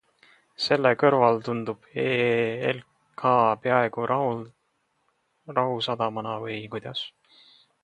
Selle kõrval tundub EELK peaaegu rahusadamana või kuidas?